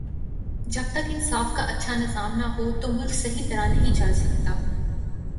جب تک انصاف کا اچھا نظام نہ ہو تو ملک صحیح طرح نہیں چل سکتا